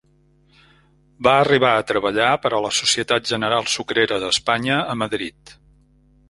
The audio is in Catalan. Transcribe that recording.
Va arribar a treballar per a la Societat General Sucrera d'Espanya a Madrid.